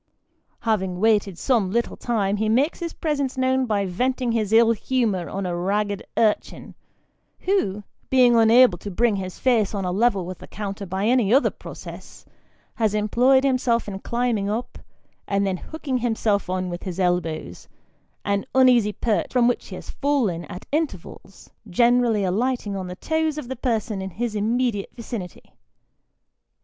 Having waited some little time, he makes his presence known by venting his ill huciour on a ragged urchin, who, being unable to bring his face on a level with the counter by any other process, has employed himself in climbing up, and then hooking himself on with his elbows an uneasy perch, from which he has fallen at intervals, generally alighting on the toes of the person in his immediate vicinity.